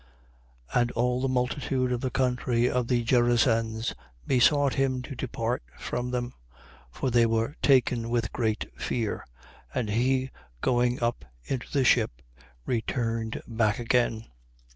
8:37. And all the multitude of the country of the Gerasens besought him to depart from them: for they were taken with great fear. And he, going up into the ship, returned back again.